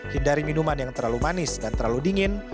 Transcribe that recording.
hindari minuman yang terlalu manis dan terlalu dingin